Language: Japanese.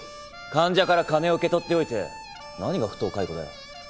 患者から金を受け取っておいて何が不当解雇だよ。